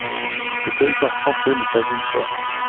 Le territoire français n’est pas uniforme.